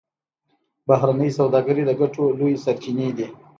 بهرنۍ سوداګري د ګټو لویې سرچینې دي